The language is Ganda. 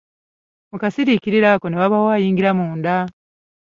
Mu kasiriikiriro ako, ne wabaawo ayingira munda.